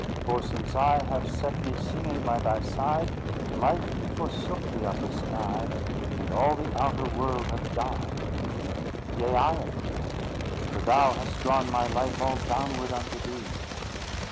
for since I Have set me singing by thy side, Life hath forsook the upper sky, And all the outer world hath died. "Yea, I am dead; for thou hast drawn My life all downward unto thee.